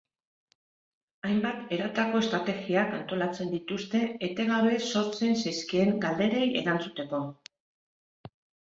Hainbat eratako estrategiak antolatzen dituzte etengabe sortzen zaizkien galderei erantzuteko.